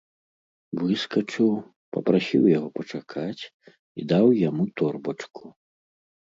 Выскачыў, папрасіў яго пачакаць і даў яму торбачку.